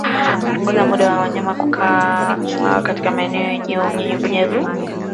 Punguza muda wa wanyama kukaa katika maeneo yenye unyevunyevu